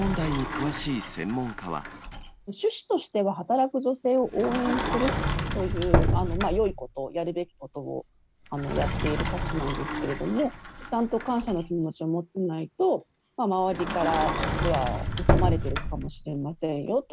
趣旨としては、働く女性を応援するというよいこと、やるべきことをやっている冊子なんですけれども、ちゃんと感謝の気持ちを持たないと、周りから実は疎まれているかもしれませんよと。